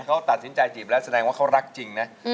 เขาตัดสินใจจีบแล้วแสดงว่าเขารักจริงนะ